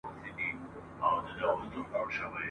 څه بدۍ مو دي په مځكه كي كرلي !.